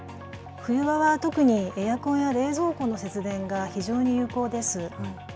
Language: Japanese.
冬場は特にエアコンや冷蔵庫の節電が非常に有効です。